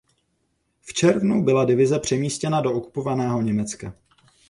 V červnu byla divize přemístěna do okupovaného Německa.